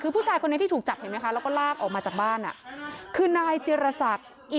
ไม่ใช่ไม่ใช่ไม่ใช่ไม่ใช่ไม่ใช่